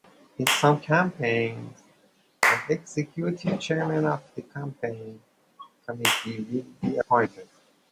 In some campaigns, an executive chairman of the campaign committee will be appointed.